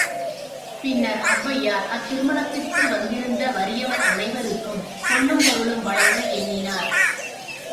பின்னர் ஒளவையார் அத் திருமணத்திற்கு வந்திருந்த வறியவர் அனைவர்க்கும் பொன்னும் பொருளும் வழங்க எண்ணினார்.